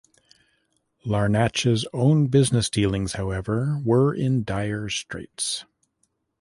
Larnach's own business dealings, however, were in dire straits.